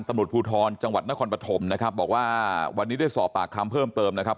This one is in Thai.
ตำรวจภูทรจังหวัดนครปฐมนะครับบอกว่าวันนี้ได้สอบปากคำเพิ่มเติมนะครับ